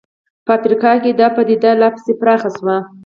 په افریقا کې دا پدیده لا پسې پراخه شوه.